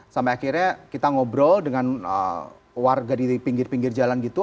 sampai akhirnya kita ngobrol dengan warga di pinggir pinggir jalan gitu